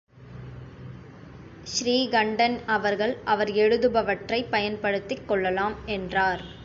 ஸ்ரீகண்டன் அவர்கள் அவர் எழுதுபவற்றைப் பயன்படுத்திக் கொள்ளலாம் என்றார்.